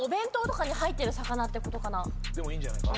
でもいいんじゃないか。